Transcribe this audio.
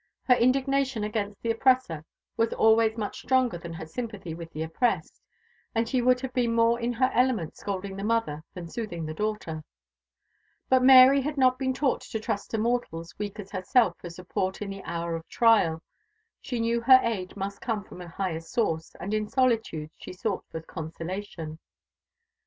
Her indignation against the oppressor was always much stronger than her sympathy with the oppressed; and she would have been more in her element scolding the mother than soothing the daughter. But Mary had not been taught to trust to mortals weak as herself for support in the hour of trial. She knew her aid must come from a higher source; and in solitude she sought for consolation.